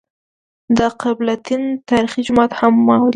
د قبله تین تاریخي جومات هم ولېد.